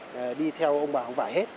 đi theo ông bà không phải hết